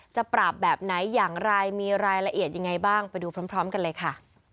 ปราบแบบไหนอย่างไรมีรายละเอียดยังไงบ้างไปดูพร้อมกันเลยค่ะ